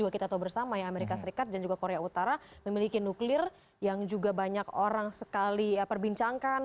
kita tahu bersama ya amerika serikat dan juga korea utara memiliki nuklir yang juga banyak orang sekali perbincangkan